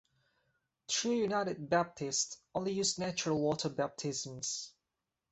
True United Baptist only use natural water baptisms.